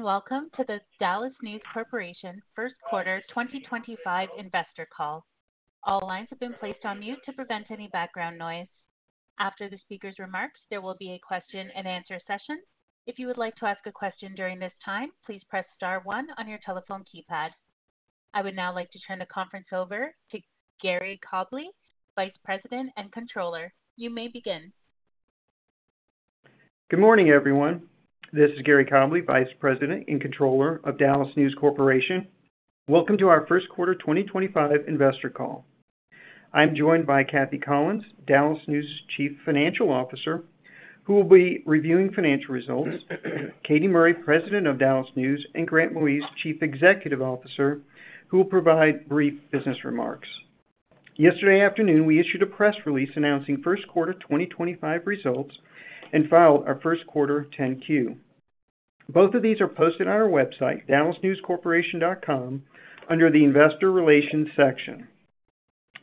Welcome to the DallasNews Corporation First Quarter 2025 Investor Call. All lines have been placed on mute to prevent any background noise. After the speaker's remarks, there will be a question-and-answer session. If you would like to ask a question during this time, please press star one on your telephone keypad. I would now like to turn the conference over to Gary Cobleigh, Vice President and Controller. You may begin. Good morning, everyone. This is Gary Cobleigh, Vice President and Controller of DallasNews Corporation. Welcome to our First Quarter 2025 Investor Call. I'm joined by Cathy Collins, DallasNews' Chief Financial Officer, who will be reviewing financial results; Katy Murray, President of DallasNews; and Grant Moise, Chief Executive Officer, who will provide brief business remarks. Yesterday afternoon, we issued a press release announcing First Quarter 2025 results and filed our First Quarter 10-Q. Both of these are posted on our website, dallasnewscorporation.com, under the Investor Relations section.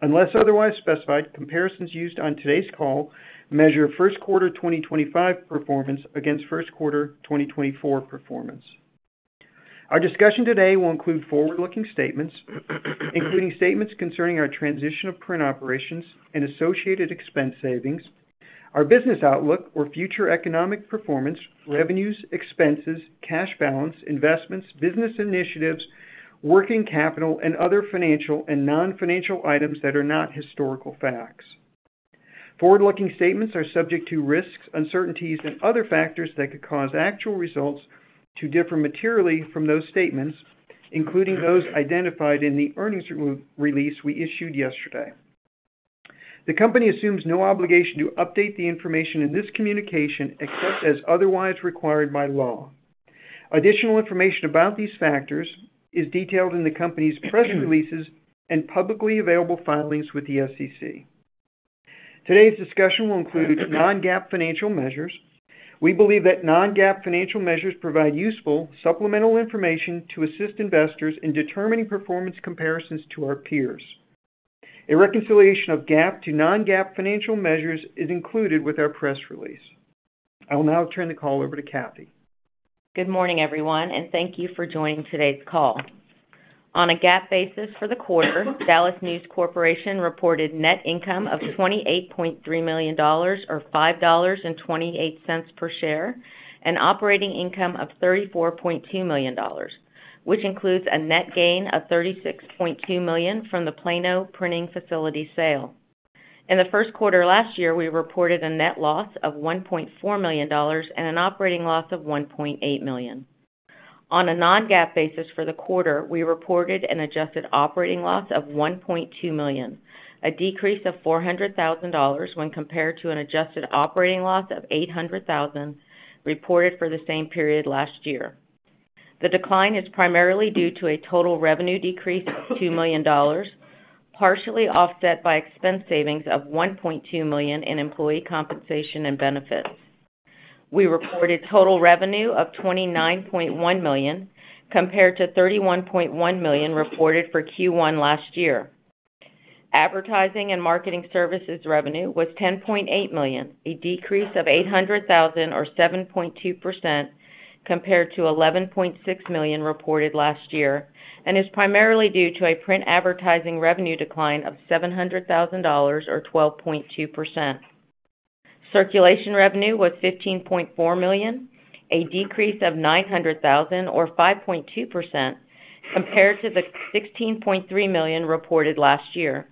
Unless otherwise specified, comparisons used on today's call measure First Quarter 2025 performance against First Quarter 2024 performance. Our discussion today will include forward-looking statements, including statements concerning our transition of print operations and associated expense savings, our business outlook or future economic performance, revenues, expenses, cash balance, investments, business initiatives, working capital, and other financial and non-financial items that are not historical facts. Forward-looking statements are subject to risks, uncertainties, and other factors that could cause actual results to differ materially from those statements, including those identified in the earnings release we issued yesterday. The company assumes no obligation to update the information in this communication except as otherwise required by law. Additional information about these factors is detailed in the company's press releases and publicly available filings with the SEC. Today's discussion will include non-GAAP financial measures. We believe that non-GAAP financial measures provide useful supplemental information to assist investors in determining performance comparisons to our peers. A reconciliation of GAAP to non-GAAP financial measures is included with our press release. I will now turn the call over to Cathy. Good morning, everyone, and thank you for joining today's call. On a GAAP basis for the quarter, DallasNews Corporation reported net income of $28.3 million, or $5.28 per share, and operating income of $34.2 million, which includes a net gain of $36.2 million from the Plano printing facility sale. In the first quarter last year, we reported a net loss of $1.4 million and an operating loss of $1.8 million. On a non-GAAP basis for the quarter, we reported an adjusted operating loss of $1.2 million, a decrease of $400,000 when compared to an adjusted operating loss of $800,000 reported for the same period last year. The decline is primarily due to a total revenue decrease of $2 million, partially offset by expense savings of $1.2 million in employee compensation and benefits. We reported total revenue of $29.1 million compared to $31.1 million reported for Q1 last year. Advertising and marketing services revenue was $10.8 million, a decrease of $800,000, or 7.2%, compared to $11.6 million reported last year, and is primarily due to a print advertising revenue decline of $700,000, or 12.2%. Circulation revenue was $15.4 million, a decrease of $900,000, or 5.2%, compared to the $16.3 million reported last year.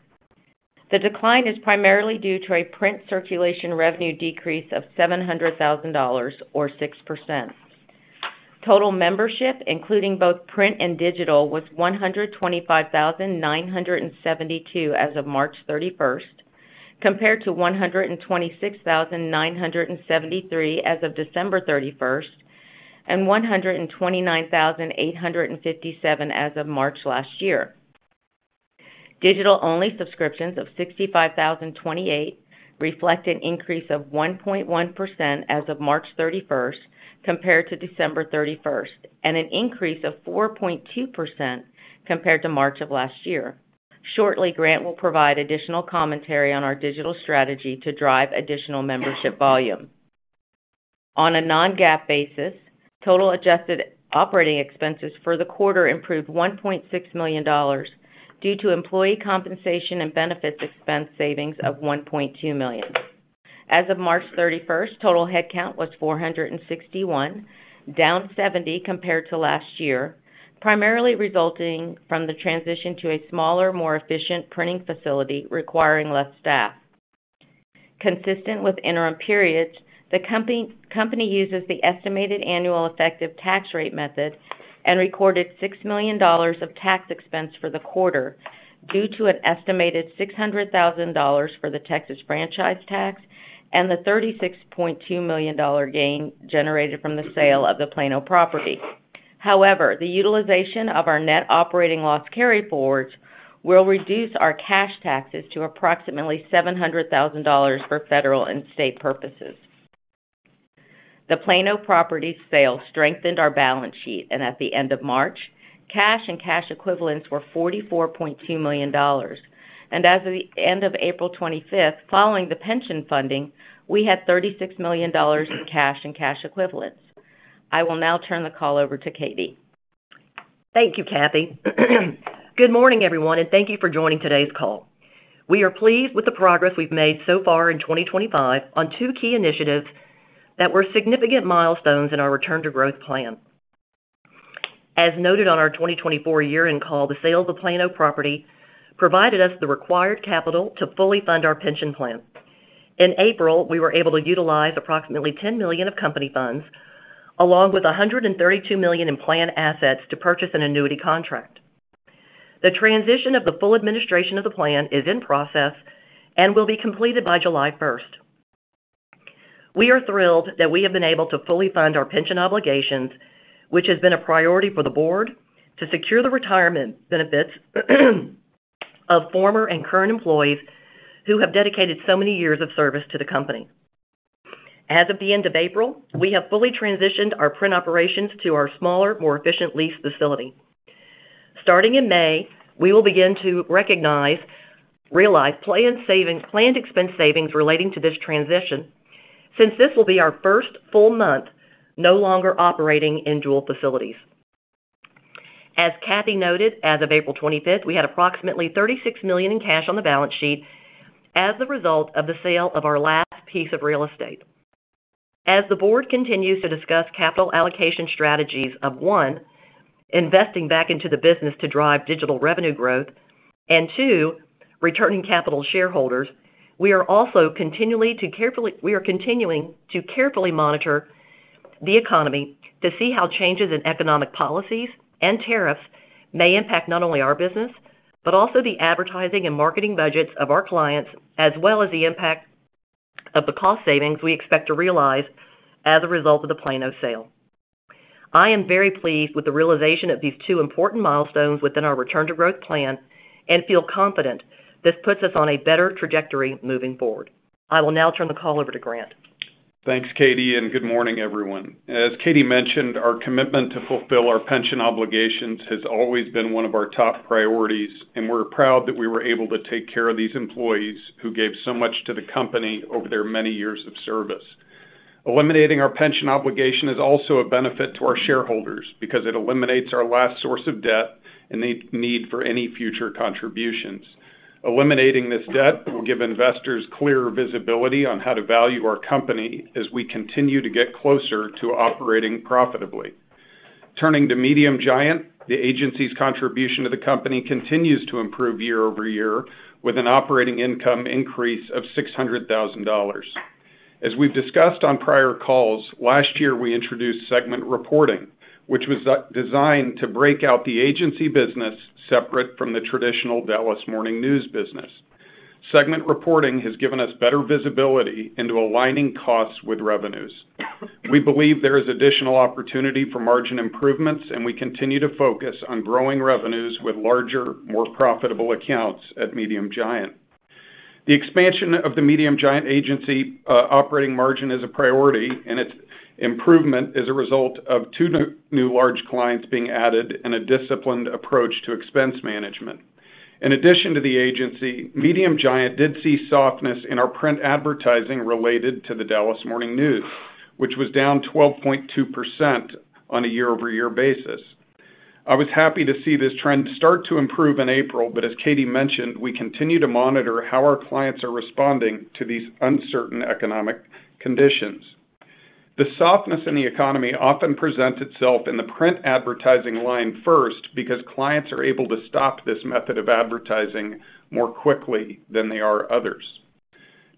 The decline is primarily due to a print circulation revenue decrease of $700,000, or 6%. Total membership, including both print and digital, was 125,972 as of March 31st, compared to 126,973 as of December 31st and 129,857 as of March last year. Digital-only subscriptions of 65,028 reflect an increase of 1.1% as of March 31st compared to December 31st and an increase of 4.2% compared to March of last year. Shortly, Grant will provide additional commentary on our digital strategy to drive additional membership volume. On a non-GAAP basis, total adjusted operating expenses for the quarter improved $1.6 million due to employee compensation and benefits expense savings of $1.2 million. As of March 31st, total headcount was 461, down 70 compared to last year, primarily resulting from the transition to a smaller, more efficient printing facility requiring less staff. Consistent with interim periods, the company uses the estimated annual effective tax rate method and recorded $6 million of tax expense for the quarter due to an estimated $600,000 for the Texas franchise tax and the $36.2 million gain generated from the sale of the Plano property. However, the utilization of our net operating loss carryforwards will reduce our cash taxes to approximately $700,000 for federal and state purposes. The Plano property sale strengthened our balance sheet, and at the end of March, cash and cash equivalents were $44.2 million. As of the end of April 25th, following the pension funding, we had $36 million in cash and cash equivalents. I will now turn the call over to Katy. Thank you, Cathy. Good morning, everyone, and thank you for joining today's call. We are pleased with the progress we've made so far in 2025 on two key initiatives that were significant milestones in our return-to-growth plan. As noted on our 2024 year-end call, the sale of the Plano property provided us the required capital to fully fund our pension plan. In April, we were able to utilize approximately $10 million of company funds, along with $132 million in plan assets to purchase an annuity contract. The transition of the full administration of the plan is in process and will be completed by July 1st. We are thrilled that we have been able to fully fund our pension obligations, which has been a priority for the board to secure the retirement benefits of former and current employees who have dedicated so many years of service to the company. As of the end of April, we have fully transitioned our print operations to our smaller, more efficient lease facility. Starting in May, we will begin to recognize planned expense savings relating to this transition since this will be our first full month no longer operating in dual facilities. As Cathy noted, as of April 25, we had approximately $36 million in cash on the balance sheet as the result of the sale of our last piece of real estate. As the board continues to discuss capital allocation strategies of, one, investing back into the business to drive digital revenue growth and, two, returning capital to shareholders, we are also continuing to carefully monitor the economy to see how changes in economic policies and tariffs may impact not only our business but also the advertising and marketing budgets of our clients, as well as the impact of the cost savings we expect to realize as a result of the Plano sale. I am very pleased with the realization of these two important milestones within our return-to-growth plan and feel confident this puts us on a better trajectory moving forward. I will now turn the call over to Grant. Thanks, Katy, and good morning, everyone. As Katy mentioned, our commitment to fulfill our pension obligations has always been one of our top priorities, and we're proud that we were able to take care of these employees who gave so much to the company over their many years of service. Eliminating our pension obligation is also a benefit to our shareholders because it eliminates our last source of debt and the need for any future contributions. Eliminating this debt will give investors clearer visibility on how to value our company as we continue to get closer to operating profitably. Turning to Medium Giant, the agency's contribution to the company continues to improve year-over-year, with an operating income increase of $600,000. As we've discussed on prior calls, last year we introduced segment reporting, which was designed to break out the agency business separate from the traditional Dallas Morning News business. Segment reporting has given us better visibility into aligning costs with revenues. We believe there is additional opportunity for margin improvements, and we continue to focus on growing revenues with larger, more profitable accounts at Medium Giant. The expansion of the Medium Giant agency operating margin is a priority, and its improvement is a result of two new large clients being added and a disciplined approach to expense management. In addition to the agency, Medium Giant did see softness in our print advertising related to the Dallas Morning News, which was down 12.2% on a year-over-year basis. I was happy to see this trend start to improve in April, but as Katy mentioned, we continue to monitor how our clients are responding to these uncertain economic conditions. The softness in the economy often presents itself in the print advertising line first because clients are able to stop this method of advertising more quickly than they are others.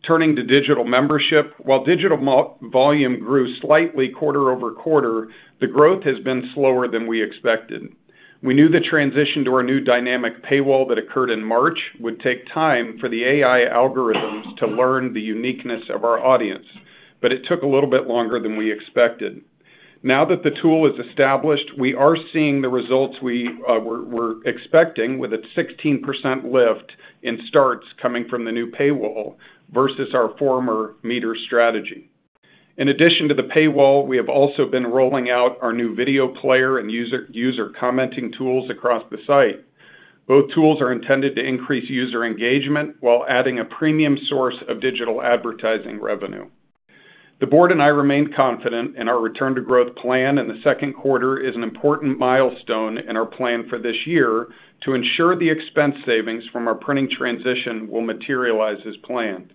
Turning to digital membership, while digital volume grew slightly quarter-over-quarter, the growth has been slower than we expected. We knew the transition to our new dynamic paywall that occurred in March would take time for the AI algorithms to learn the uniqueness of our audience, but it took a little bit longer than we expected. Now that the tool is established, we are seeing the results we were expecting with a 16% lift in starts coming from the new paywall versus our former meter strategy. In addition to the paywall, we have also been rolling out our new video player and user commenting tools across the site. Both tools are intended to increase user engagement while adding a premium source of digital advertising revenue. The board and I remain confident in our return-to-growth plan, and the second quarter is an important milestone in our plan for this year to ensure the expense savings from our printing transition will materialize as planned.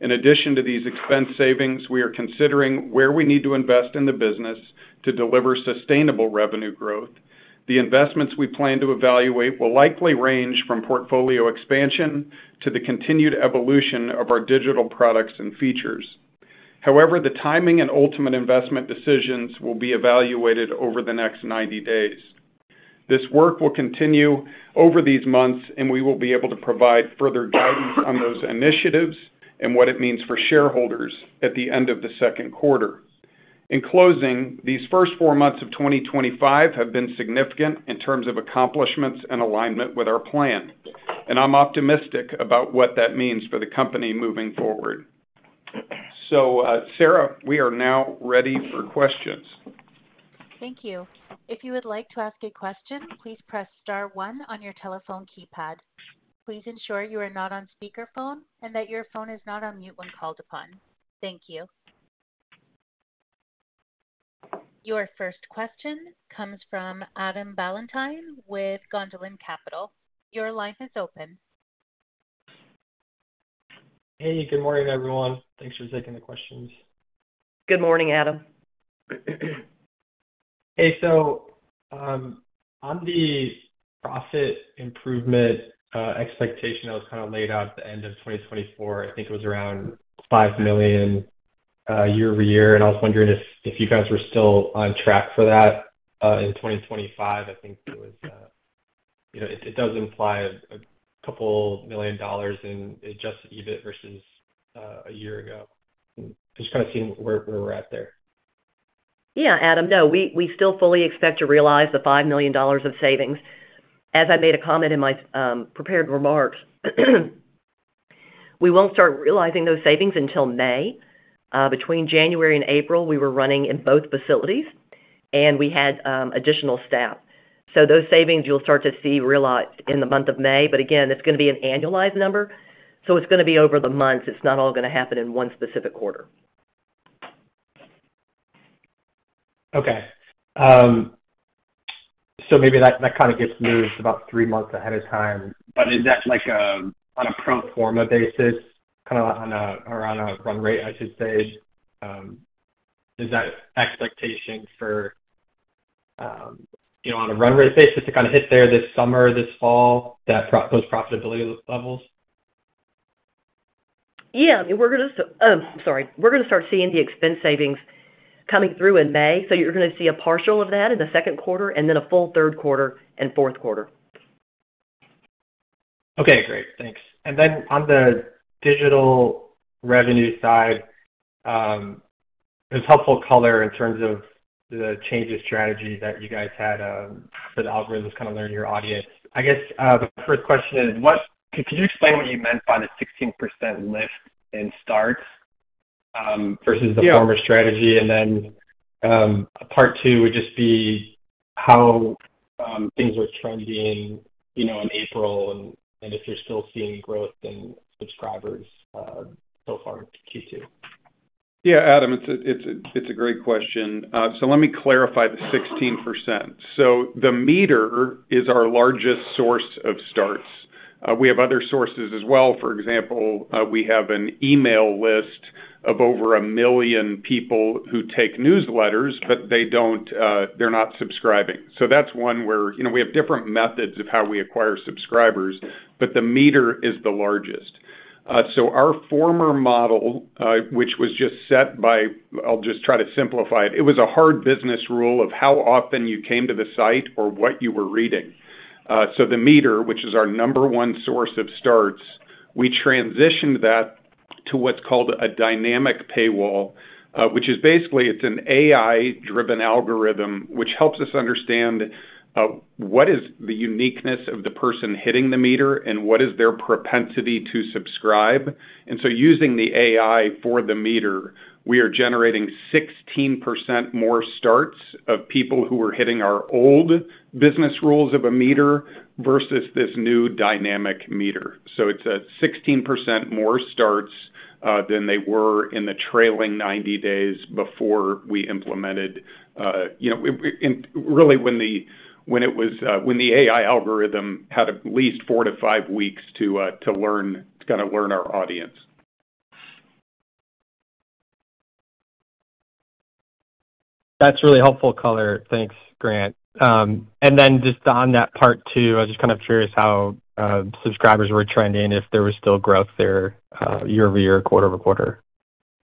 In addition to these expense savings, we are considering where we need to invest in the business to deliver sustainable revenue growth. The investments we plan to evaluate will likely range from portfolio expansion to the continued evolution of our digital products and features. However, the timing and ultimate investment decisions will be evaluated over the next 90 days. This work will continue over these months, and we will be able to provide further guidance on those initiatives and what it means for shareholders at the end of the second quarter. In closing, these first four months of 2025 have been significant in terms of accomplishments and alignment with our plan, and I'm optimistic about what that means for the company moving forward. Sarah, we are now ready for questions. Thank you. If you would like to ask a question, please press star one on your telephone keypad. Please ensure you are not on speakerphone and that your phone is not on mute when called upon. Thank you. Your first question comes from Adam Ballantyne with Gondolin Capital. Your line is open. Hey, good morning, everyone. Thanks for taking the questions. Good morning, Adam. Hey, on the profit improvement expectation that was kind of laid out at the end of 2024, I think it was around $5 million year-over-year, and I was wondering if you guys were still on track for that in 2025. I think it does imply a couple million dollars in adjusted EBIT versus a year ago. I'm just kind of seeing where we're at there. Yeah, Adam, no, we still fully expect to realize the $5 million of savings. As I made a comment in my prepared remarks, we will not start realizing those savings until May. Between January and April, we were running in both facilities, and we had additional staff. Those savings, you will start to see realized in the month of May, but again, it is going to be an annualized number, so it is going to be over the months. It is not all going to happen in one specific quarter. Okay. Maybe that kind of gets moved about three months ahead of time. Is that on a pro forma basis, kind of around a run rate, I should say? Is that expectation for on a run rate basis to kind of hit there this summer, this fall, those profitability levels? Yeah, I mean, we're going to—sorry. We're going to start seeing the expense savings coming through in May, so you're going to see a partial of that in the second quarter and then a full third quarter and fourth quarter. Okay, great. Thanks. Then on the digital revenue side, it was helpful color in terms of the changes strategy that you guys had for the algorithms kind of learning your audience. I guess the first question is, could you explain what you meant by the 16% lift in starts versus the former strategy? Part two would just be how things were trending in April and if you're still seeing growth in subscribers so far in Q2. Yeah, Adam, it's a great question. Let me clarify the 16%. The meter is our largest source of starts. We have other sources as well. For example, we have an email list of over a million people who take newsletters, but they're not subscribing. That's one where we have different methods of how we acquire subscribers, but the meter is the largest. Our former model, which was just set by—I'll just try to simplify it. It was a hard business rule of how often you came to the site or what you were reading. The meter, which is our number one source of starts, we transitioned that to what's called a dynamic paywall, which is basically an AI-driven algorithm which helps us understand what is the uniqueness of the person hitting the meter and what is their propensity to subscribe. Using the AI for the meter, we are generating 16% more starts of people who are hitting our old business rules of a meter versus this new dynamic meter. It is 16% more starts than they were in the trailing 90 days before we implemented, really when it was when the AI algorithm had at least four to five weeks to learn to kind of learn our audience. That's really helpful color. Thanks, Grant. Just on that part two, I was just kind of curious how subscribers were trending if there was still growth there year-over-year, quarter-over-quarter.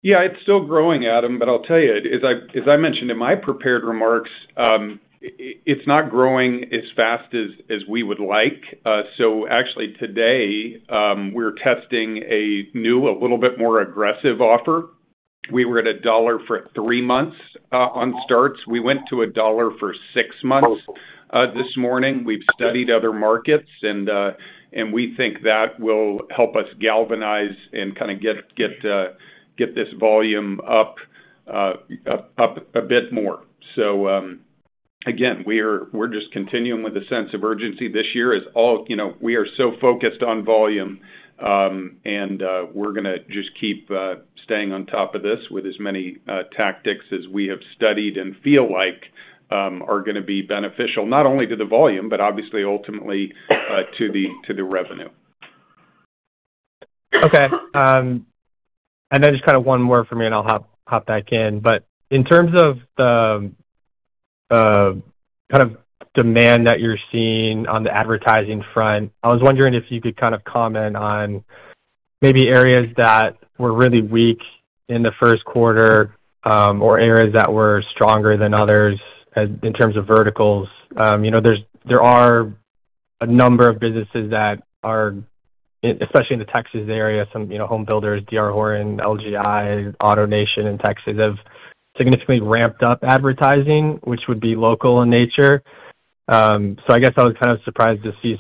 Yeah, it's still growing, Adam, but I'll tell you, as I mentioned in my prepared remarks, it's not growing as fast as we would like. Actually, today, we're testing a new, a little bit more aggressive offer. We were at a dollar for three months on starts. We went to a dollar for six months this morning. We've studied other markets, and we think that will help us galvanize and kind of get this volume up a bit more. Again, we're just continuing with the sense of urgency this year as all we are so focused on volume, and we're going to just keep staying on top of this with as many tactics as we have studied and feel like are going to be beneficial not only to the volume, but obviously ultimately to the revenue. Okay. And then just kind of one more from me, and I'll hop back in. In terms of the kind of demand that you're seeing on the advertising front, I was wondering if you could kind of comment on maybe areas that were really weak in the first quarter or areas that were stronger than others in terms of verticals. There are a number of businesses that are, especially in the Texas area, some home builders, D.R. Horton, LGI, AutoNation in Texas have significantly ramped up advertising, which would be local in nature. I guess I was kind of surprised to see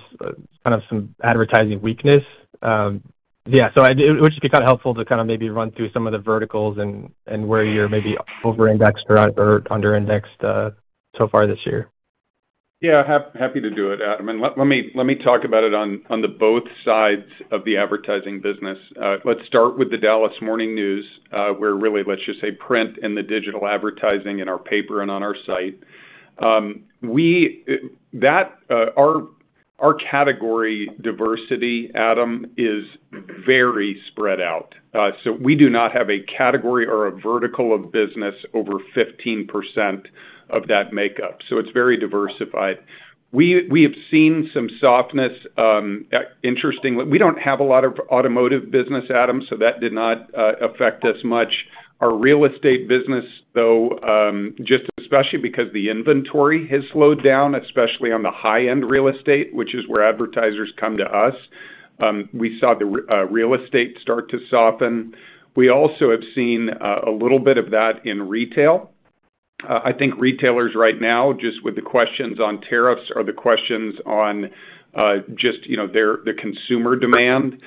kind of some advertising weakness. Yeah, it would just be kind of helpful to kind of maybe run through some of the verticals and where you're maybe over-indexed or under-indexed so far this year. Yeah, happy to do it, Adam. Let me talk about it on both sides of the advertising business. Let's start with The Dallas Morning News, where really, let's just say print and the digital advertising in our paper and on our site. Our category diversity, Adam, is very spread out. We do not have a category or a vertical of business over 15% of that makeup. It is very diversified. We have seen some softness. Interestingly, we do not have a lot of automotive business, Adam, so that did not affect us much. Our real estate business, though, just especially because the inventory has slowed down, especially on the high-end real estate, which is where advertisers come to us, we saw the real estate start to soften. We also have seen a little bit of that in retail. I think retailers right now, just with the questions on tariffs or the questions on just their consumer demand,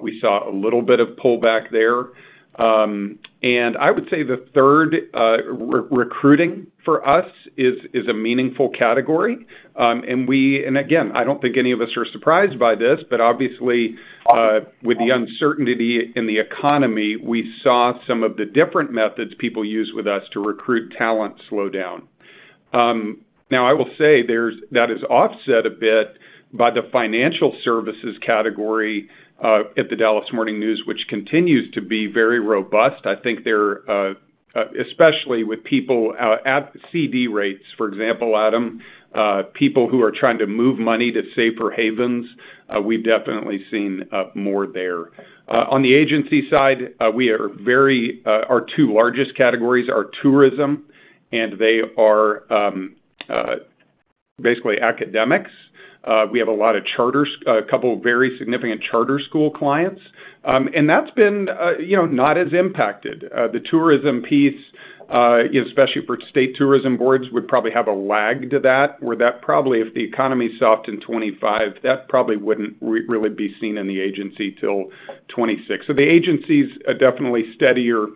we saw a little bit of pullback there. I would say the third, recruiting for us is a meaningful category. I don't think any of us are surprised by this, but obviously with the uncertainty in the economy, we saw some of the different methods people use with us to recruit talent slow down. I will say that is offset a bit by the financial services category at The Dallas Morning News, which continues to be very robust. I think there, especially with people at CD rates, for example, Adam, people who are trying to move money to safer havens, we've definitely seen more there. On the agency side, our two largest categories are tourism, and they are basically academics. We have a lot of charters, a couple of very significant charter school clients, and that's been not as impacted. The tourism piece, especially for state tourism boards, would probably have a lag to that, where that probably, if the economy soft in 2025, that probably wouldn't really be seen in the agency till 2026. The agency's definitely steadier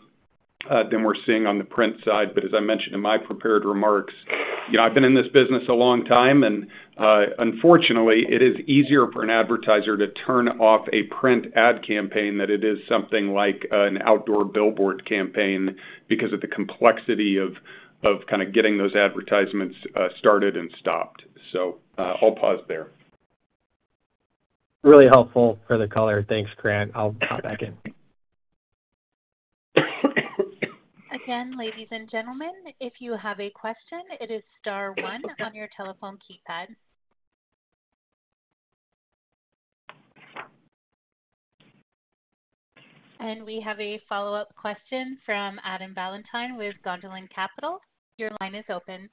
than we're seeing on the print side, but as I mentioned in my prepared remarks, I've been in this business a long time, and unfortunately, it is easier for an advertiser to turn off a print ad campaign than it is something like an outdoor billboard campaign because of the complexity of kind of getting those advertisements started and stopped. I'll pause there. Really helpful for the color. Thanks, Grant. I'll hop back in. Again, ladies and gentlemen, if you have a question, it is star one on your telephone keypad. We have a follow-up question from Adam Ballantyne with Gondolin Capital. Your line is open.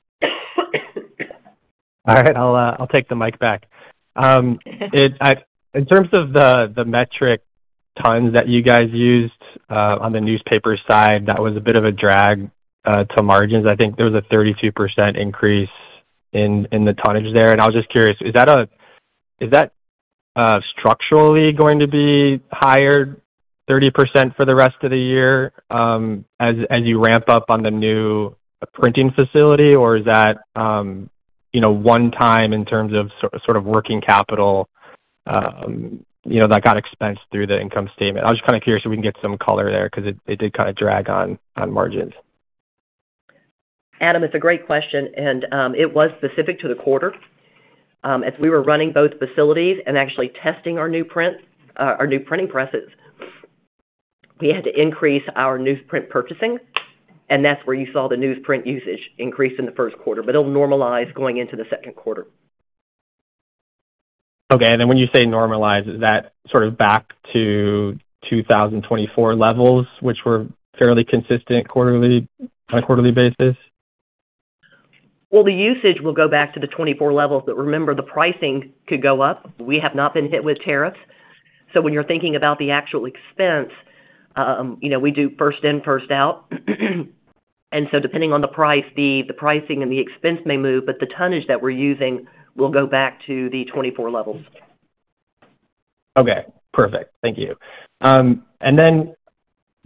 All right, I'll take the mic back. In terms of the metric tons that you guys used on the newspaper side, that was a bit of a drag to margins. I think there was a 32% increase in the tonnage there. I was just curious, is that structurally going to be higher, 30% for the rest of the year as you ramp up on the new printing facility, or is that one time in terms of sort of working capital that got expensed through the income statement? I was just kind of curious if we can get some color there because it did kind of drag on margins. Adam, it's a great question, and it was specific to the quarter. As we were running both facilities and actually testing our new printing presses, we had to increase our newsprint purchasing, and that's where you saw the newsprint usage increase in the first quarter, but it'll normalize going into the second quarter. Okay. When you say normalize, is that sort of back to 2024 levels, which were fairly consistent on a quarterly basis? The usage will go back to the 2024 levels, but remember, the pricing could go up. We have not been hit with tariffs. When you're thinking about the actual expense, we do first in, first out. Depending on the price, the pricing and the expense may move, but the tonnage that we're using will go back to the 2024 levels. Okay. Perfect. Thank you.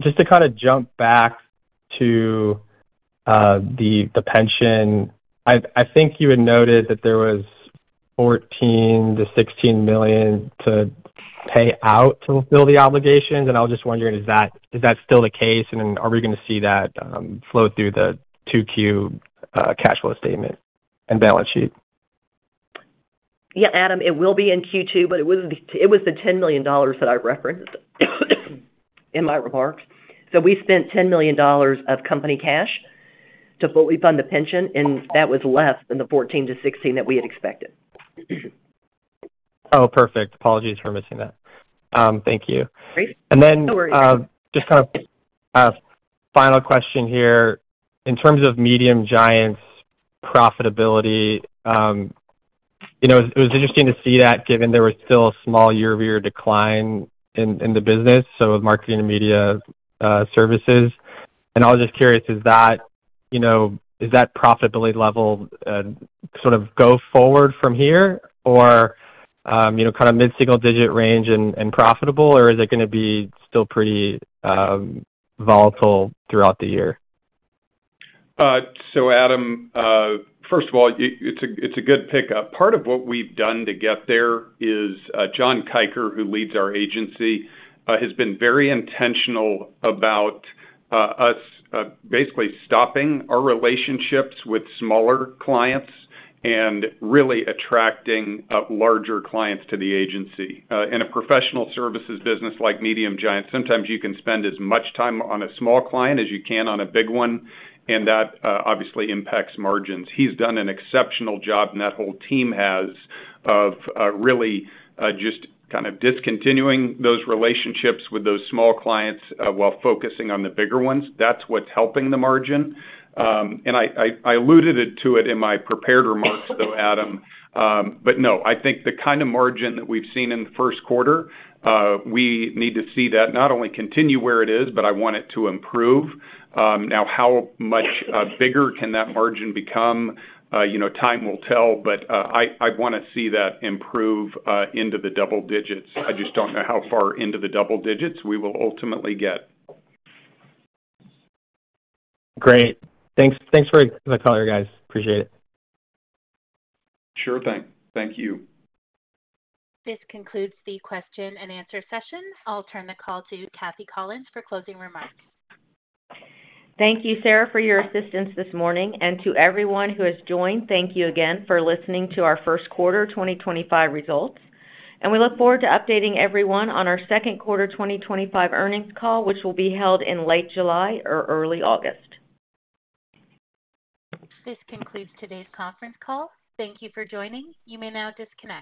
Just to kind of jump back to the pension, I think you had noted that there was $14 million-$16 million to pay out to fulfill the obligations. I was just wondering, is that still the case, and are we going to see that flow through the 2Q cash flow statement and balance sheet? Yeah, Adam, it will be in Q2, but it was the $10 million that I referenced in my remarks. We spent $10 million of company cash to fully fund the pension, and that was less than the $14 million-$16 million that we had expected. Oh, perfect. Apologies for missing that. Thank you. No worries. Just kind of final question here. In terms of Medium Giant's profitability, it was interesting to see that given there was still a small year-over-year decline in the business, so of marketing and media services. I was just curious, is that profitability level sort of go forward from here or kind of mid-single digit range and profitable, or is it going to be still pretty volatile throughout the year? Adam, first of all, it's a good pickup. Part of what we've done to get there is John Kiker, who leads our agency, has been very intentional about us basically stopping our relationships with smaller clients and really attracting larger clients to the agency. In a professional services business like Medium Giant, sometimes you can spend as much time on a small client as you can on a big one, and that obviously impacts margins. He's done an exceptional job, and that whole team has of really just kind of discontinuing those relationships with those small clients while focusing on the bigger ones. That's what's helping the margin. I alluded to it in my prepared remarks, though, Adam. I think the kind of margin that we've seen in the first quarter, we need to see that not only continue where it is, but I want it to improve. Now, how much bigger can that margin become? Time will tell, but I want to see that improve into the double digits. I just don't know how far into the double digits we will ultimately get. Great. Thanks for the color, guys. Appreciate it. Sure thing. Thank you. This concludes the question and answer session. I'll turn the call to Cathy Collins for closing remarks. Thank you, Sarah, for your assistance this morning. To everyone who has joined, thank you again for listening to our First Quarter 2025 Results. We look forward to updating everyone on our Second Quarter 2025 Earnings Call, which will be held in late July or early August. This concludes today's conference call. Thank you for joining. You may now disconnect.